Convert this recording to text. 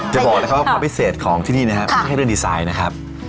จะบอกนะครับว่าความพิเศษของที่นี่นะครับไม่ใช่เรื่องดีไซน์นะครับ